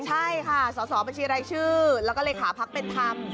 ใช่ค่ะสอบเป็นชีวิตรายชื่อแล้วก็เหลค่าพักเป็นธรรม